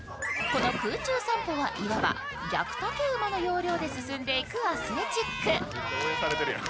この空中散歩はいわば、逆竹馬の要領で進んでいくアスレチック。